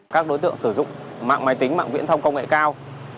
các đối tượng sử dụng mạng máy tính mạng viễn thông công nghệ cao